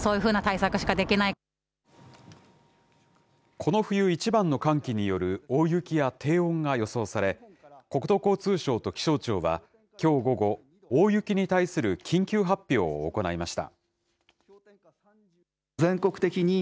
この冬一番の寒気による大雪や低温が予想され、国土交通省と気象庁は、きょう午後、大雪に対する緊急発表を行いました。